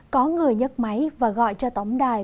có người nhấc máy và gọi cho tổng đài